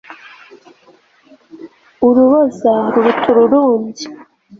uruboza ruruta ururumbya